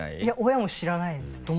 親も知らないですね。